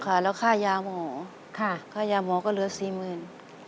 ค่ะแล้วค่ายาหมอก็เหลือ๔๐๐๐๐บาท